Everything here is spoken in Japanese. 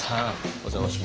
お邪魔します。